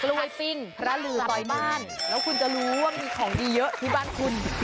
กล้วยปิ้งพระลือบ่อยบ้านแล้วคุณจะรู้ว่ามีของดีเยอะที่บ้านคุณ